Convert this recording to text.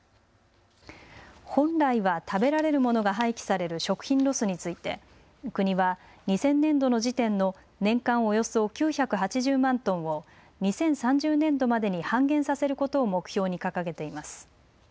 本来は食べられるものが廃棄される食品ロスについて国は２０００年度の時点の年間およそ９８０万トンを２０３０年度までに半減させることを目標に掲げています。